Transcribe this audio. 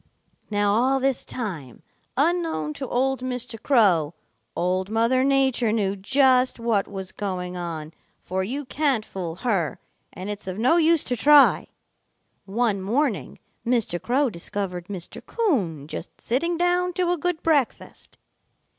"Now all this time, unknown to old Mr. Crow, Old Mother Nature knew just what was going on, for you can't fool her, and it's of no use to try. One morning Mr. Crow discovered Mr. Coon just sitting down to a good breakfast.